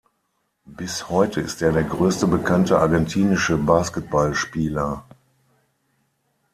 Bis heute ist er der größte bekannte argentinische Basketballspieler.